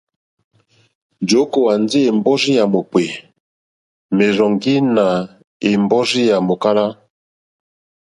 I okòwà ndi è mbɔrzi yà mòkpè, merzɔŋgi nà è mbɔrzi yà mòkala.